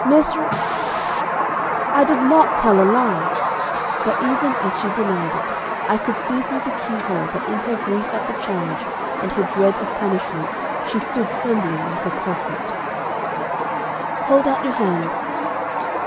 "'Miss R I did not tell a lie,' but even as she denied it, I could see through the keyhole that in her grief at the charge, and her dread of punishment, she stood trembling like a culprit. "'Hold out your hand.'